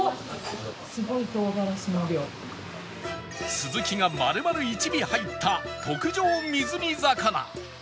スズキが丸々１尾入った特上水煮魚